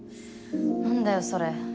何だよそれ。